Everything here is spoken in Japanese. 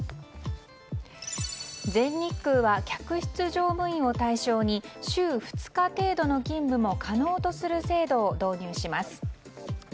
全日空は客室乗務員を対象に週２日程度の勤務も可能とする制度を導入します。